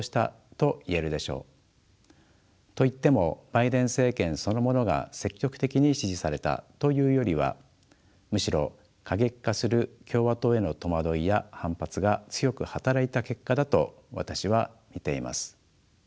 といってもバイデン政権そのものが積極的に支持されたというよりはむしろ過激化する共和党への戸惑いや反発が強く働いた結果だと私は見ています。